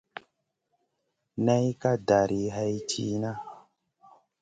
Ney ka dari hay tìhna.